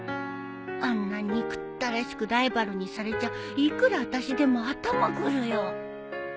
あんな憎たらしくライバルにされちゃいくらあたしでも頭くるよ